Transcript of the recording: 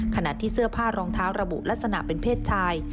ขณะที่เสื้อผ้ารองเท้าระบุลักษณะเป็นเพศชาย